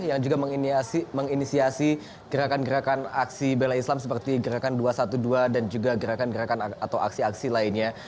yang juga menginisiasi gerakan gerakan aksi bela islam seperti gerakan dua ratus dua belas dan juga gerakan gerakan atau aksi aksi lainnya